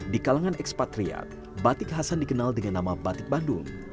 di kalangan ekspatriat batik hasan dikenal dengan nama batik bandung